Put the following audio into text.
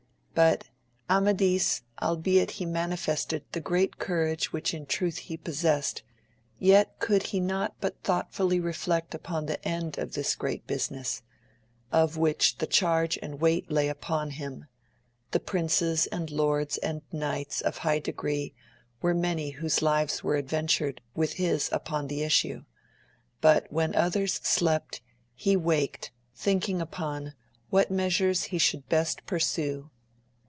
UT Amadis albeit he manifested the great courage which in truth he possessed, yet could he not but thoughtfully reflect upon the end of this great business, of which the charge and T^eight lay upon him; the princes and lords and knights of high degree were many whose lives were adventured with his upon the issue, but when others slept he waked thinking upon what measures he should best pursue.